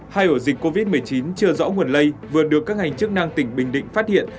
hai ổ dịch covid một mươi chín chưa rõ nguồn lây vừa được các ngành chức năng tỉnh bình định phát hiện